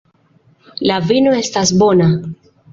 La vino estas bona.